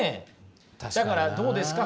だからどうですか？